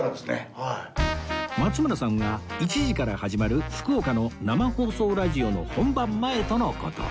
松村さんは１時から始まる福岡の生放送ラジオの本番前との事